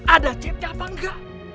ada cetnya apa enggak